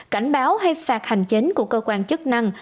cảnh báo hay phạt hành chính của cơ quan chức năng